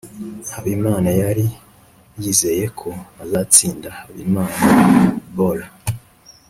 habimana yari yizeye ko azatsinda habimanabola